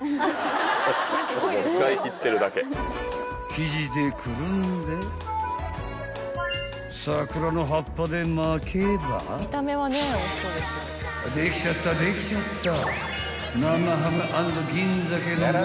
［生地でくるんで桜の葉っぱで巻けばできちゃったできちゃった］